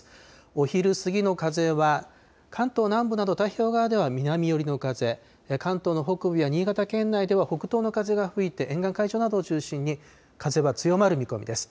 お昼過ぎの風は関東南部など太平洋側では南寄りの風、関東の北部や新潟県内では北東の風が吹いて、沿岸、海上などを中心に、風は強まる見込みです。